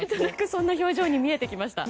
そんな表情に見えてきました。